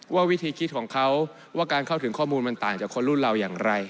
วิธีคิดของเขาว่าการเข้าถึงข้อมูลมันต่างจากคนรุ่นเราอย่างไร